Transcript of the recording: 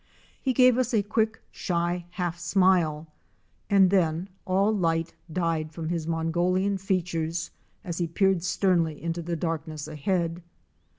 He gave us a quick, shy, half smile, and then all light died from his Mongolian features and he peered sternly into the darkness ahead.